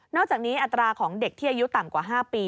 อกจากนี้อัตราของเด็กที่อายุต่ำกว่า๕ปี